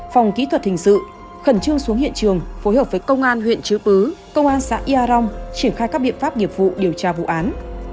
phòng kỹ thuật hình sự hận trương xuống hiện trường phối hợp với công an huyện chứ bứ công an xã yà rong triển khai các biện pháp nghiệp vụ điều tra vụ án